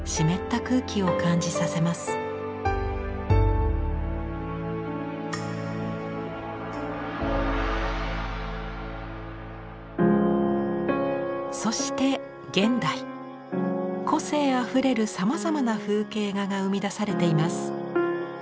個性あふれるさまざまな風景画が生み出されています。